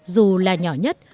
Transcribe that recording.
dù là nhỏ nhất